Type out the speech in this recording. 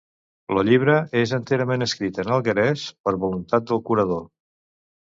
Lo llibre és enterament escrit en alguerés per voluntat del curador